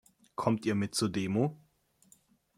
Kommt ihr mit zur Demo?